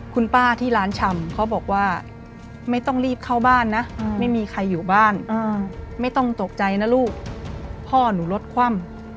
คุณป้าที่ร้านชำเขาบอกว่าไม่ต้องรีบเข้าบ้านนะไม่มีใครอยู่บ้านไม่ต้องตกใจนะลูกพ่อหนูรถคว่ำ